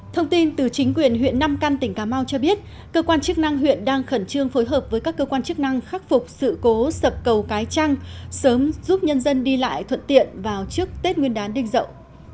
thông tin từ chính quyền huyện nam căn tỉnh cà mau cho biết cơ quan chức năng huyện đang khẩn trương phối hợp với các cơ quan chức năng khắc phục sự cố sập cầu cái trăng sớm giúp nhân dân đi lại thuận tiện vào trước tết nguyên đán đình dậu